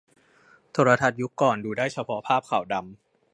โทรทัศน์ยุคก่อนดูได้เฉพาะภาพขาวดำ